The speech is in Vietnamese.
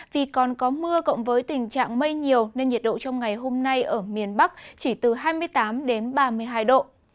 vì còn có mưa cộng với tình trạng mây nhiều nên nhiệt độ trong ngày hôm nay ở miền bắc chỉ từ hai mươi tám ba mươi hai độ